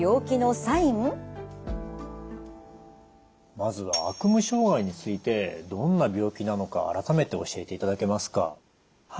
まずは悪夢障害についてどんな病気なのか改めて教えていただけますか？